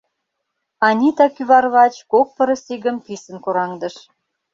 Анита кӱварвач кок пырысигым писын кораҥдыш.